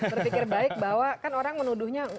berpikir baik bahwa kan orang menuduhnya